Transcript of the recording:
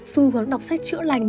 su hướng đọc sách chữa lành